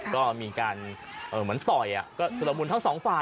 ก็มีการเหมือนต่อยก็ชุดละมุนทั้งสองฝ่าย